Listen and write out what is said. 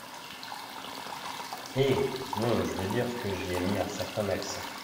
Eh ! non, je veux dire que j’y ai mis un certain accent.